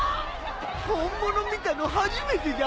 本物見たの初めてじゃ！